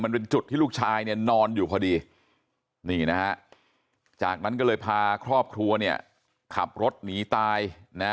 จุดที่ลูกชายเนี่ยนอนอยู่พอดีนี่นะฮะจากนั้นก็เลยพาครอบครัวเนี่ยขับรถหนีตายนะ